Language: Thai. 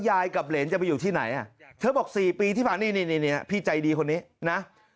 กับเหรนจะไปอยู่ที่ไหนอ่ะเธอบอก๔ปีที่ผ่านมานี่พี่ใจดีคนนี้นะ